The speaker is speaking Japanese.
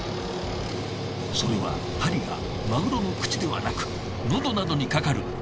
それは針がマグロの口ではなく喉などに掛かる